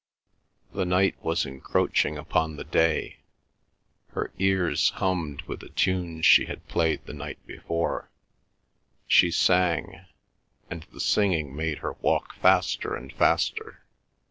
The night was encroaching upon the day. Her ears hummed with the tunes she had played the night before; she sang, and the singing made her walk faster and faster.